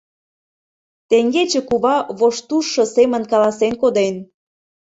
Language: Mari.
Теҥгече кува воштужшо семын каласен коден!..